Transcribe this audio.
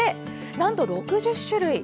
なんと６０種類。